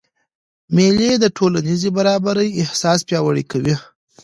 مېلې د ټولنیزي برابرۍ احساس پیاوړی کوي.